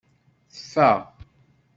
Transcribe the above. Tfa.